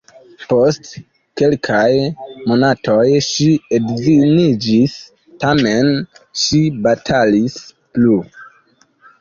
Post kelkaj monatoj ŝi edziniĝis, tamen ŝi batalis plu.